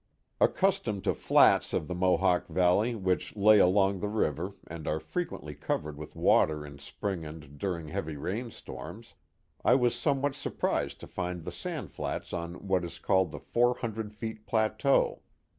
Ac customed to flats of the Mohawk Valley which lay along the river and are frequently covered with water in spring and during heavy rainstorms, I was somewhat surprised to find the sand flats on what is called the four hundred feet plateau.